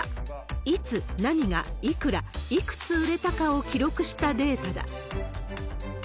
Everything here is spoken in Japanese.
いつ、何が、いくら、いくつ売れたかを記録したデータだ。